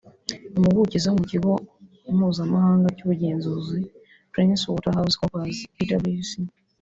Impuguke zo mu Kigo mpuzamahanga cy’ubugenzuzi PrinceWaterhouseCoopers (PwC)